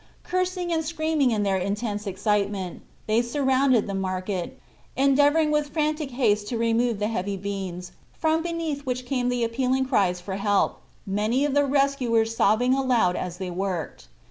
Cursing and screaming in their intense excitement, they surrounded the market, endeavoring with frantic haste to remove the heavy beams from beneath which came the appealing calls for help, many of the rescuers sobbing aloud as they worked.